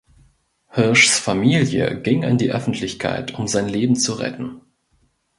Hirschs Familie ging an die Öffentlichkeit, um sein Leben zu retten.